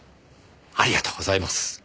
ありがとうございます。